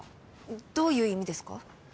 どういう意味ですか？